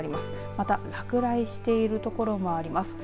また落雷しているところもあります。